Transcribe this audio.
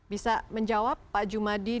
bisa menjawab pak jumadi